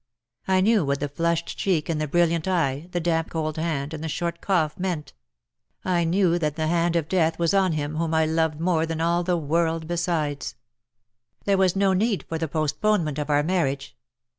1 knew what the flushed cheek and the brilliant eye, the damp cold hand, and the short cough meant. 1 knew that the hand of death was on him whom I loved more than all the world besides. There was O THE DAYS THAT ARE NO MORE. no need for the postponement of our marriage.